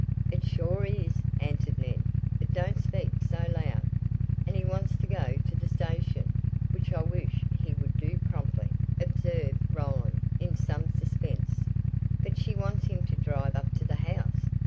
"It sure is," answered Ned; "but don't speak so loud." "And he wants to go to the station, which I wish he would do promptly," observed Roland, in some suspense. "But she wants him to drive up to the house.